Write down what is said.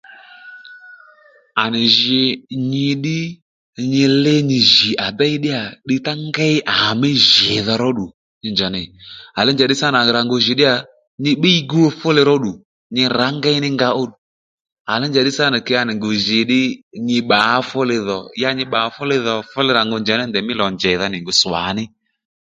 À nì jǐ nyi ddí nyi lí nyi jì à déy ddíyà ddiy tá ngéy àmí jìdha róddù nyi ní njǎ nèy njàddí sǎ nà à rà ngu jì ddíyà nyi bbíy gu fúli róddù nyi rǎ ngéy ní nga ó à léy njàddí sǎ nà kě à nì ngu jǐ ddí nyi bbǎ fúli dhò ya nyi bbà fúli dhò fúli rà ngu njà ndèymí lò njèydha nì ngu swàní